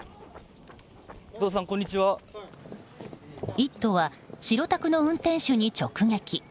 「イット！」は白タクの運転手に直撃。